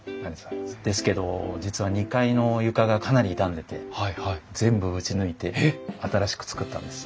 ですけど実は２階の床がかなり傷んでて全部打ち抜いて新しく作ったんです。